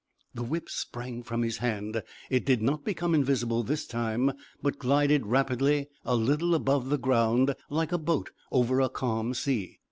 The whip sprang from his hand. It did not become invisible this time, but glided rapidly a little above the ground, like a boat over a calm sea.